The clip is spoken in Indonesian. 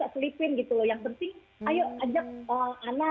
contoh nih anak anak sukanya lagu apa